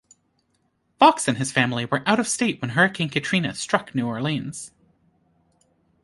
Fox and his family were out-of-state when Hurricane Katrina struck New Orleans.